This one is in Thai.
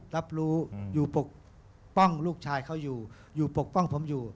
รับรู้อยู่ปกป้องลูกชายเขาอยู่อยู่ปกป้องผมอยู่